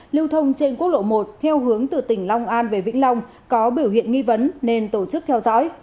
lưu thông trên quốc lộ một theo hướng từ tỉnh long an về vĩnh long có biểu hiện nghi vấn nên tổ chức theo dõi